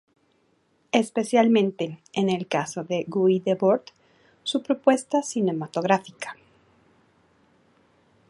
Especialmente, en el caso de Guy Debord, su propuesta cinematográfica.